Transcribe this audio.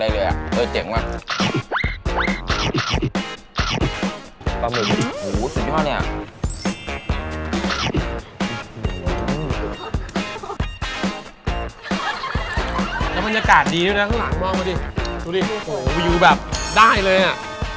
แล้วมันยากาศดีด้วยนะข้างหลังมองมาดิดูดิโหวิวแบบได้เลยอ่ะ